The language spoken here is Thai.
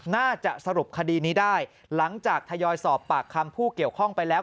น่าจะสรุปคดีนี้ได้หลังจากทยอยสอบปากคำผู้เกี่ยวข้องไปแล้ว